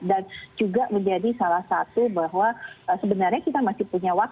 bulan februari ini